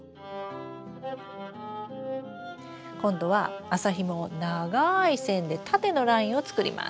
今度は麻ひもを長い線で縦のラインを作ります。